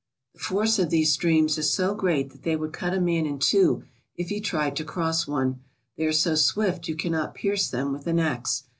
The force of these streams is so great that they would cut a man in two if he tried to cross one. They are so swift you cannot pierce them with an ax.